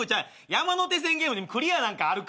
山手線ゲームにクリアなんかあるか。